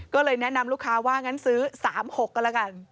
ก็เลยแนะนำลูกค้าว่างั้นซื้อ๓๖ก็แล้วกัน